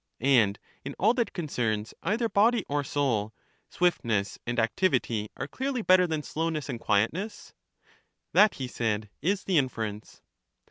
And in all that concerns either body or soul, swift ness and activity are clearly better than slowness and quietness? ^ That, he said, is the inference.